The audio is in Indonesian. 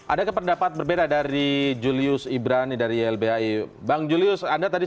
ada kependapatan berbeda dari jokowi dan jokowi